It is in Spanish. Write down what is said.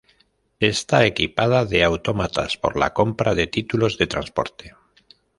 Está equipada de autómatas por la compra de títulos de transporte.